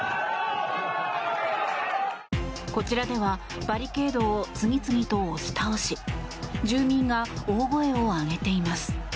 こちらではバリケードを次々と押し倒し住民が大声を上げています。